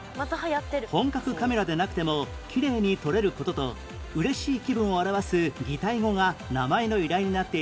本格カメラでなくてもきれいに撮れる事と嬉しい気分を表す擬態語が名前の由来になっている